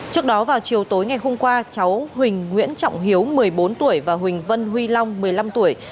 trước đó vào chiều tối ngày hôm qua cháu huỳnh nguyễn trọng hiếu một mươi bốn tuổi và huỳnh vân huy long một mươi năm tuổi